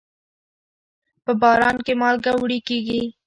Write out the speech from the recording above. په باران کې مالګه وړي کېږي.